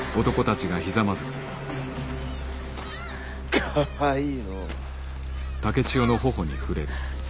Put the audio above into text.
かわいいのう。